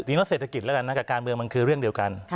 จริงแล้วเศรษฐกิจแล้วกันนะกับการเมืองมันคือเรื่องเดียวกัน